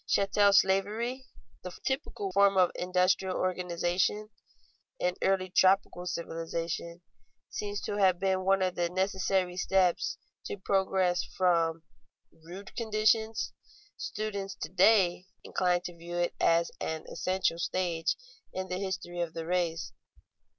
Chattel slavery, the typical form of industrial organization in early tropical civilization, seems to have been one of the necessary steps to progress from rude conditions; students to day incline to view it as an essential stage in the history of the race.